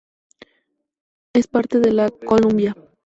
Es parte de la Columbia.